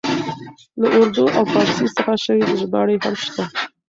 له اردو او پاړسي څخه شوې ژباړې هم شته.